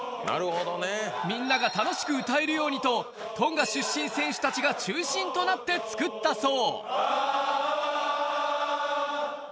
みんなが楽しく歌えるようにとトンガ出身選手たちが中心となって作ったそう。